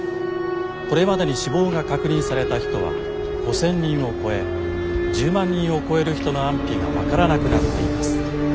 これまでに死亡が確認された人は５，０００人を超え１０万人を超える人の安否が分からなくなっています。